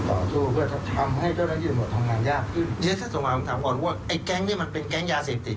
ถ้าท่านมาถามพูดว่าแก๊งนี่มันเป็นแก๊งยาเสพติศใช่มั้ย